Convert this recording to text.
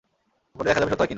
পরে দেখা যাবে সত্য হয় কিনা।